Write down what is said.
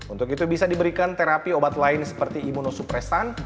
untuk itu bisa diberikan terapi obat lain seperti imunosupresan